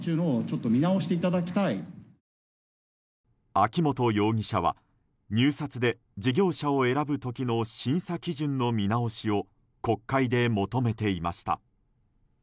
秋本容疑者は入札で事業者を選ぶ時の審査基準の見直しを国会で求めていました。